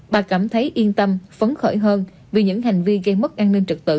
bà cảm thấy yên tâm phấn khởi hơn vì những hành vi gây mất an ninh trật tự